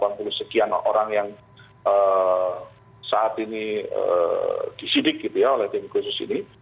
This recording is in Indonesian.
sepuluh atau delapan puluh sekian orang yang saat ini disidik oleh tim kasus ini